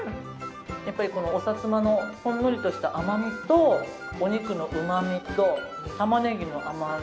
やっぱりこのおさつまのほんのりとした甘みとお肉のうまみと玉ねぎの甘み。